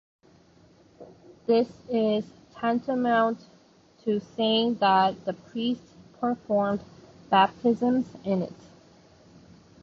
This is tantamount to saying that the priests performed baptisms in it.